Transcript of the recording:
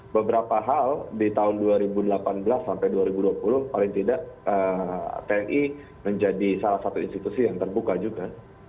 beberapa hal di tahun dua ribu delapan belas sampai dua ribu dua puluh paling tidak tni menjadi salah satu institusi yang terbuka juga